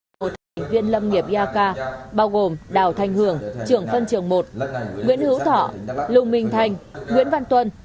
của các thành viên lâm nghiệp erka bao gồm đào thanh hường trưởng phân trường một nguyễn hứu thọ lưu minh thành nguyễn văn tuân